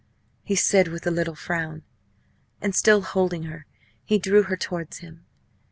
he said, with a little frown. And still holding her, he drew her towards him.